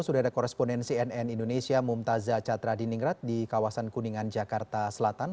sudah ada koresponen cnn indonesia mumtazah catra diningrat di kawasan kuningan jakarta selatan